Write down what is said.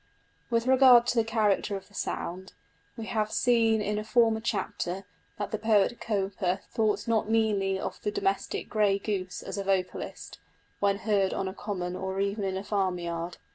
With regard to the character of the sound: we have seen in a former chapter that the poet Cowper thought not meanly of the domestic grey goose as a vocalist, when heard on a common or even in a farmyard.